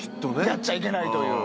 やっちゃいけないという。